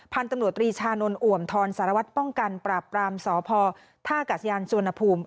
พันธุ์ตำรวจตรีชานนทอ่วมทรสารวัตรป้องกันปราบปรามสพท่ากาศยานสวนภูมิ